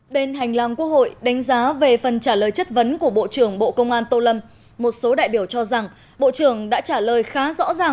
bên hành lang quốc hội đánh giá về phần trả lời chất vấn của bộ trưởng bộ công an tô lâm